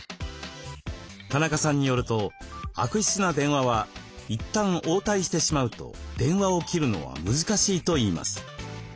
田中さんによると悪質な電話はいったん応対してしまうと電話を切るのは難しいといいます。